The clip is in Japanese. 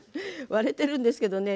割れてるんですけどね